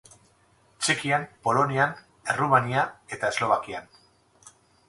Txekian, Polonian, Errumania eta Eslovakian.